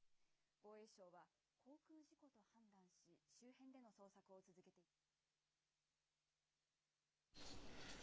防衛省は、航空事故と判断し、周辺での捜索を続けています。